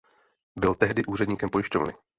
Byl tehdy úředníkem pojišťovny.